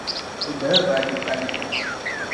O dala baaji palli.